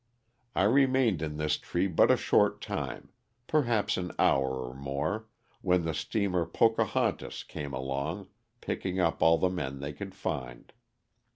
I remained in this tree but a short time, parhaps an hour or more, when the steamer " Pocahontas " came along, picking up all the men they could find.